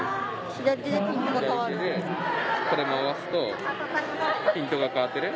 左手でこれ回すとピントが変わってる？